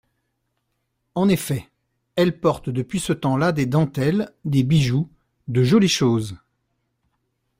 En effet, elle porte depuis ce temps-là des dentelles, des bijoux, de jolies choses.